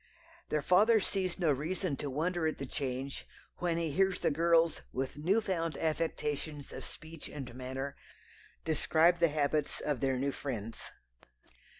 Their father sees no reason to wonder at the change when he hears the girls, with new found affectations of speech and manner, describe the habits of their new friends.